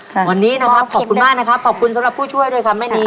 วันนี้นะครับขอบคุณมากนะครับขอบคุณสำหรับผู้ช่วยด้วยครับแม่นี